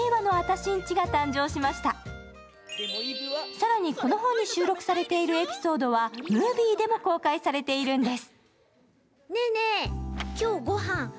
さらに、この本に収録されているエピソードはムービーでも公開されているんです。